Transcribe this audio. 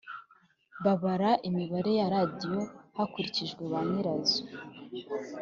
babara Imibare ya radiyo hakurikijwe ba nyirazo